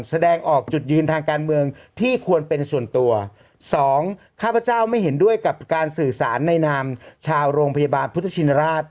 แสดงออกจุดยืนทางการเมืองที่ควรเป็นส่วนตัวสองข้าพเจ้าไม่เห็นด้วยกับการสื่อสารในนามชาวโรงพยาบาลพุทธชินราช